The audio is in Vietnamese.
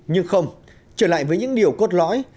nhưng không trở lại với những điều cốt lõi